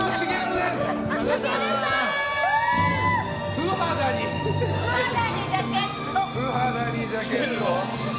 素肌にジャケット！